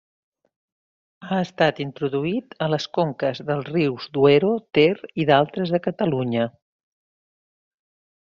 Ha estat introduït a les conques dels rius Duero, Ter i d'altres de Catalunya.